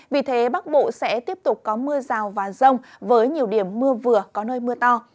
vì thế bắc bộ sẽ tiếp tục có mưa rào và rông với nhiều điểm mưa vừa có nơi mưa to